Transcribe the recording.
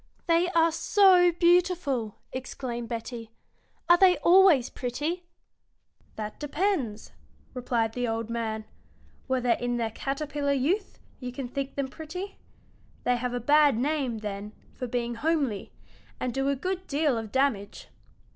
"They are so beautiful!" exclaimed Betty. "Are they always pretty?" "That depends," replied the old man, "whether in their caterpillar youth you think them pretty. They have a bad name, then, for being homely, and do a good deal of damage."